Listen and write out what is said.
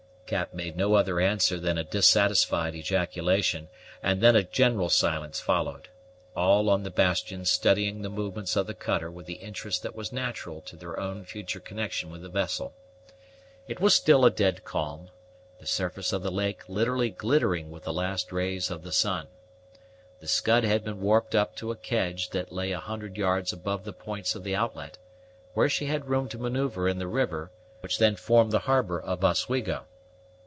Cap made no other answer than a dissatisfied ejaculation, and then a general silence followed, all on the bastion studying the movements of the cutter with the interest that was natural to their own future connection with the vessel. It was still a dead calm, the surface of the lake literally glittering with the last rays of the sun. The Scud had been warped up to a kedge that lay a hundred yards above the points of the outlet, where she had room to manoeuvre in the river which then formed the harbor of Oswego.